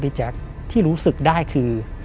แจ๊คที่รู้สึกได้คือ